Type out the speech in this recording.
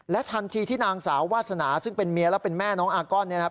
ทันทีที่นางสาววาสนาซึ่งเป็นเมียและเป็นแม่น้องอาก้อนเนี่ยนะครับ